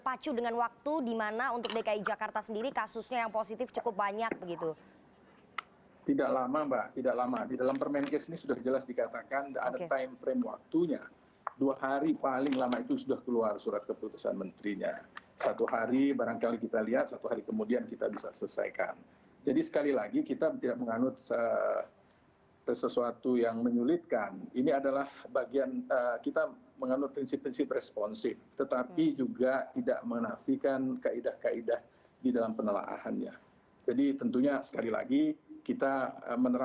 pembatasan sosial berskala besar